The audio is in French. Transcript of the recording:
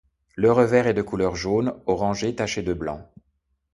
Le revers est de couleur jaune orangé taché de blanc.